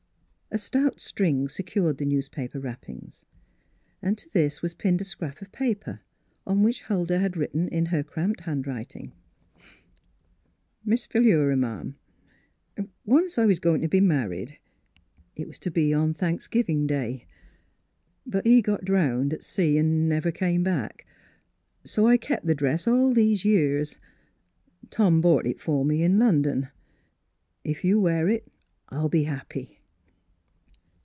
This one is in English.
A stout string secured the newspaper wrappings, and to this was pinned a scrap of paper, on which Huldah had written in her cramped handwriting: " Miss Philura, mam. Once I was go ing to be married. It was to be on Thanksgiving Day. But he got drowned at sea and never come back. So I kept the dress all these years. Tom bought it for me in London. If you'll wear it I'll be happy."